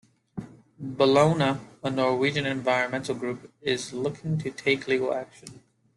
Bellona, a Norwegian environmental group, is looking to take legal action.